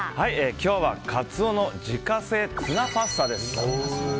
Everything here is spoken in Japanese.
今日はカツオの自家製ツナパスタです。